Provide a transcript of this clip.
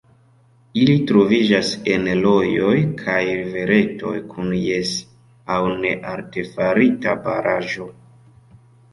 Ili troviĝas en rojoj kaj riveretoj kun jes aŭ ne artefarita baraĵo.